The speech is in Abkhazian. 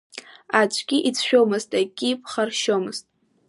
Аӡәгьы ицәшәомызт, акгьы ԥхаршьомызт.